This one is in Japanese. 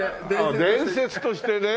あっ伝説としてね。